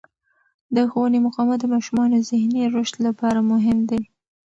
د ښوونې مقاومت د ماشومانو ذهني رشد لپاره مهم دی.